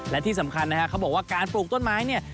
และที่สำคัญนะครับเขาบอกว่าการปลูกต้นไม้